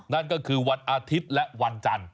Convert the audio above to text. นั่นก็คือวันอาทิตย์และวันจันทร์